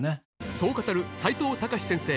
そう語る齋藤孝先生